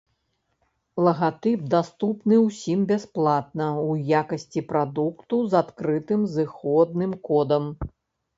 Лагатып даступны ўсім бясплатна ў якасці прадукту з адкрытым зыходным кодам.